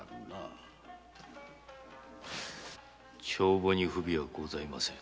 〔帳簿に不備はございません。